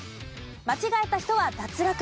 間違えた人は脱落。